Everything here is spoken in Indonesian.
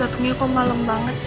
datengnya kok malem banget sih